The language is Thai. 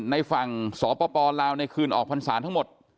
ในฝั่งสปลาวในคืนออกพรรษาทั้งหมด